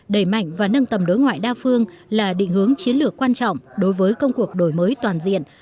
đẩy mạnh và nâng tầm đối ngoại đa phương là định hướng chiến lược quan trọng đối với công cuộc đổi mới toàn diện